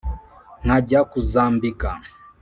nkajya kuzambika.